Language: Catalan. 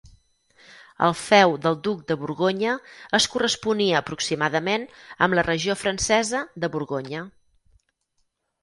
El feu del duc de Borgonya es corresponia aproximadament amb la regió francesa de Borgonya.